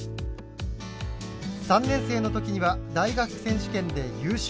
３年生の時には大学選手権で優勝。